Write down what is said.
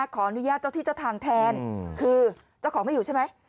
ขออนุญาตเจ้าที่เจ้าทางแทนคือเจ้าของไม่อยู่ใช่ไหม